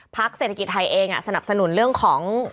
ภักดิ์เศรษฐกิจไทยเองอะสนับสนุนเรื่องของ